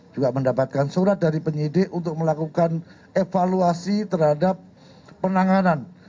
juga mendapatkan surat dari penyidik untuk melakukan evaluasi terhadap penanganan